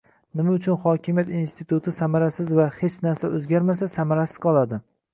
Nima uchun hokimiyat instituti samarasiz va hech narsa o'zgarmasa, samarasiz qoladi?